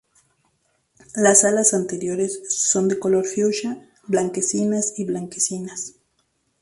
Las alas anteriores son de color fucsia, blanquecinas y blanquecinas.